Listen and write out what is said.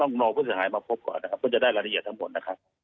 ต้องรอผู้เสียหายมาพบก่อนนะครับเพื่อจะได้รายละเอียดทั้งหมดนะครับ